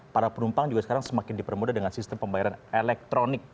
para penumpang juga sekarang semakin dipermudah dengan sistem pembayaran elektronik